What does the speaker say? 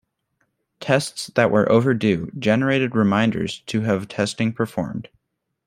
Tests that were overdue generated reminders to have testing performed.